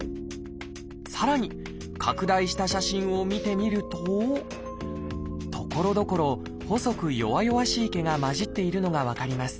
さらに拡大した写真を見てみるとところどころ細く弱々しい毛が交じっているのが分かります。